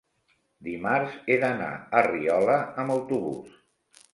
Dimarts he d'anar a Riola amb autobús.